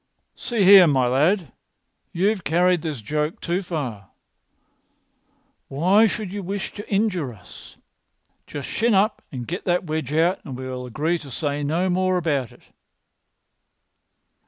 "See here, my lad, you've carried this joke too far. Why should you wish to injure us? Just shin up and get that wedge out, and we will agree to say no more about it."